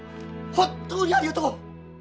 本当にありがとう！